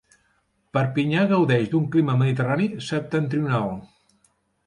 Perpinyà gaudeix d'un clima mediterrani septentrional.